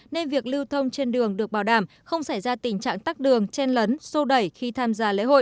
nên việc lưu thông trên đường được bảo đảm không xảy ra tình trạng tắt đường chen lấn sô đẩy khi tham gia lễ hội